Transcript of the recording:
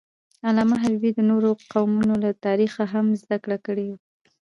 علامه حبیبي د نورو قومونو له تاریخه هم زدهکړه کړې ده.